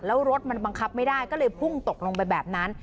แล้วรถมันบังคับไม่ได้ก็เลยพุ่งตกลงไปแบบนั้น